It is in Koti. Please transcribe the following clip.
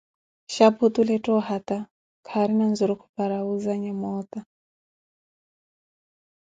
shapu otule ettha ohata, kaarina nzurukhu para wuuzanha moota.